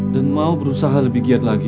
dan mau berusaha lebih giat lagi